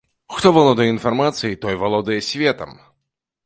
Хто валодае інфармацыяй, той валодае светам.